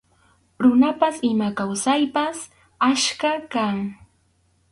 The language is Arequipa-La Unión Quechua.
Runapas ima kawsaypas achkam kan.